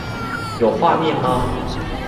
有畫面嗎